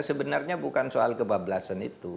sebenarnya bukan soal kebablasan itu